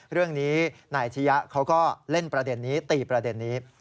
เรื่องนี้นายอาชียะเขาก็เล่นประเด็นนี้ตีประเด็นนี้